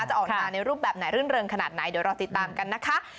จะออกมาในรูปแบบไหนรื่นเริงขนาดไหนเดี๋ยวรอติดตามกันนะคะ